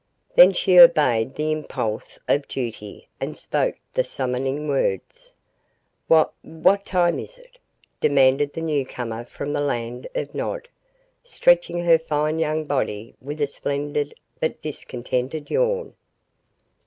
Then she obeyed the impulse of duty and spoke the summoning words. "Wha what time is it?" demanded the newcomer from the land of Nod, stretching her fine young body with a splendid but discontented yawn.